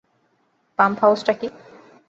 Pump হাউসটা কী?